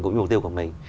cũng như mục tiêu của mình